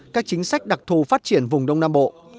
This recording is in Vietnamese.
các chính sách đặc thù phát triển vùng đông nam bộ